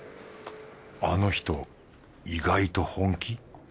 あの人意外と本気？